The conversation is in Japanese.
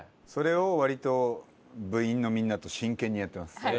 それを割と部員のみんなと真剣にやってます。